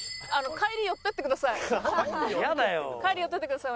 帰り寄っていってください